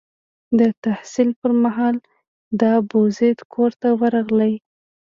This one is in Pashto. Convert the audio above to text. د تحصیل پر مهال د ابوزید کور ته ورغلی.